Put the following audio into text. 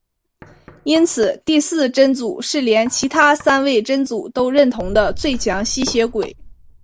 因此第四真祖是连其他三位真祖都认同的最强吸血鬼。